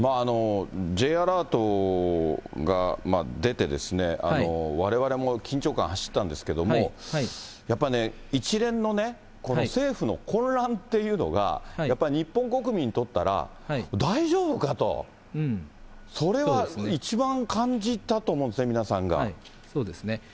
Ｊアラートが出て、われわれも緊張感走ったんですけども、やっぱね、一連のね、この政府の混乱というのが、やっぱり日本国民にとったら、大丈夫かと、それは一番感じたと思うんですね、そうですね。